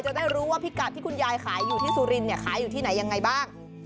จะได้รู้ว่าพิกัดที่คุณยายขายอยู่ที่สุรินเนี่ยขายอยู่ที่ไหนยังไงบ้าง